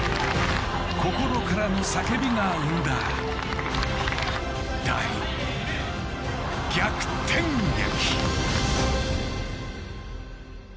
心からの叫びが生んだ、大逆転劇。